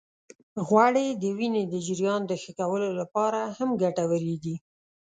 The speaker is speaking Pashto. غوړې د وینې د جريان د ښه کولو لپاره هم ګټورې دي.